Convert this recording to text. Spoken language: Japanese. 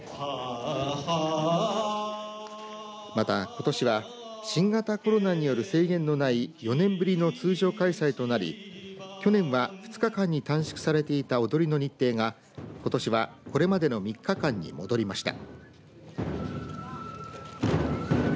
またことしは新型コロナによる制限のない４年ぶりの通常開催となり去年は２日間に短縮されていた踊りの日程がことしはこれまでの３日間に戻りました。